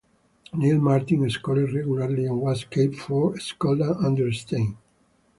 Neil Martin scored regularly and was capped for Scotland under Stein.